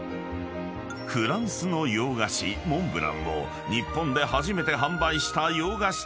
［フランスの洋菓子モンブランを日本で初めて販売した洋菓子店がオープン］